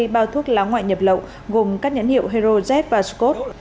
một trăm tám mươi bao thuốc lá ngoại nhập lậu gồm các nhẫn hiệu hero jet và scott